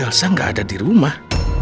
elsa gak ada di rumah